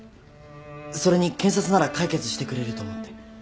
それに検察なら解決してくれると思って。